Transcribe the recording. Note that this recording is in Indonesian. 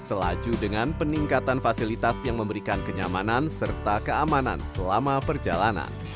selaju dengan peningkatan fasilitas yang memberikan kenyamanan serta keamanan selama perjalanan